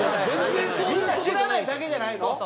みんな知らないだけじゃないの？